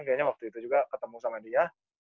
kayaknya waktu itu juga ketemu sama dia